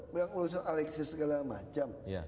bilang urusan alexis segala macam